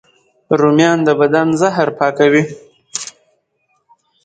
رومیان د بدن زهر پاکوي